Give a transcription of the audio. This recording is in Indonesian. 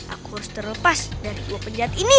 aku harus terlepas dari dua penjat ini